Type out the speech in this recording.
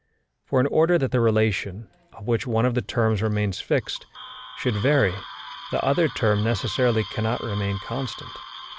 For in order that the relation, of which one of the terms remains fixed, should vary, the other term necessarily cannot remain constant.